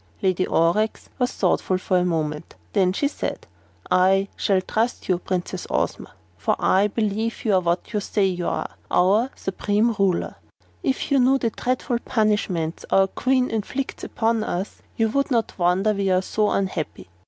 Lady Aurex was thoughtful a moment; then she said: "I shall trust you, Princess Ozma, for I believe you are what you say you are our supreme Ruler. If you knew the dreadful punishments our Queen inflicts upon us, you would not wonder we are so unhappy.